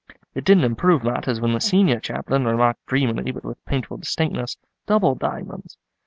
It didn't improve matters when the senior chaplain remarked dreamily but with painful distinctness, 'Double diamonds.